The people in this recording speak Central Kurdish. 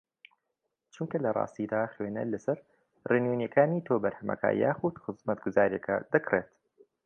چونکە لەڕاستیدا خوێنەر لەسەر ڕێنوینییەکانی تۆ بەرهەمەکە یاخوود خزمەتگوزارییەکە دەکڕێت